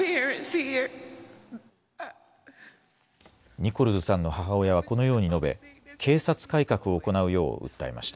ニコルズさんの母親はこのように述べ警察改革を行うよう訴えました。